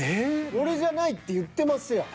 俺じゃないって言ってますやん。